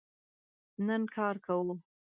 نن کار کوو